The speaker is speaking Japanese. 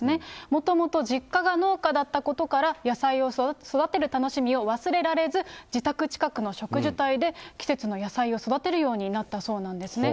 もともと、実家が農家だったことから、野菜を育てる楽しみを忘れられず、自宅近くの植樹帯で、季節の野菜を育てるようになったそうなんですね。